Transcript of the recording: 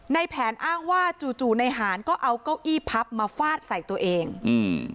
ในแผนอ้างว่าจู่จู่ในหารก็เอาเก้าอี้พับมาฟาดใส่ตัวเองอืม